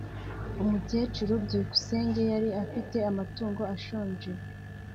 umukecuru byukusenge yari afite amatungo ashonje.